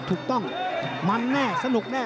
ถูกต้องมันแน่สนุกแน่